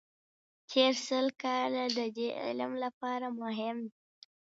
تېر سل کاله د دې علم لپاره مهم دي.